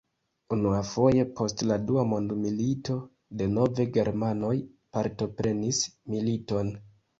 Unuafoje post la Dua mondmilito, denove germanoj partoprenis militon.